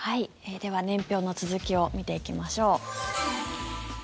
では、年表の続きを見ていきましょう。